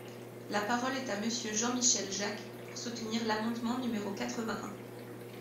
La parole est à Monsieur Jean-Michel Jacques, pour soutenir l’amendement numéro quatre-vingt-un.